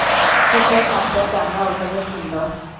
কীসে সাপটার চামড়া ওভাবে ছিললো?